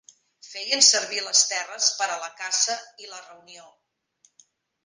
Feien servir les terres per a la caça i la reunió.